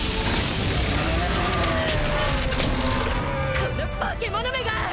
この化け物めが！